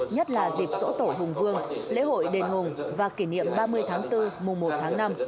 nhất là dịp dỗ tổ hùng vương lễ hội đền hùng và kỷ niệm ba mươi tháng bốn mùa một tháng năm